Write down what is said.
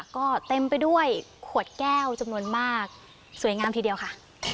ก็เต็มไปด้วยขวดแก้วจำนวนมากสวยงามทีเดียวค่ะ